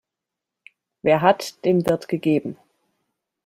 Wer hat, dem wird gegeben.